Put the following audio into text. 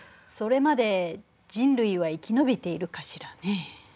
それまで人類は生き延びているかしらね？